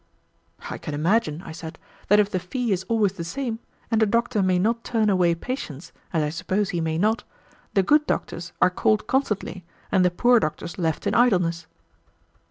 "I can imagine," I said, "that if the fee is always the same, and a doctor may not turn away patients, as I suppose he may not, the good doctors are called constantly and the poor doctors left in idleness."